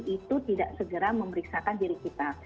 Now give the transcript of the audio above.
itu tidak segera memeriksakan diri kita